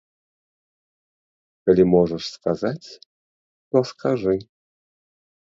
Калі можаш сказаць, то скажы.